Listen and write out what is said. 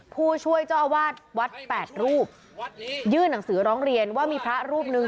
ผู้ช่วยเจ้าอาวาสวัดแปดรูปยื่นหนังสือร้องเรียนว่ามีพระรูปหนึ่ง